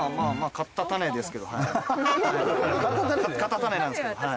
買った種なんですけどはい。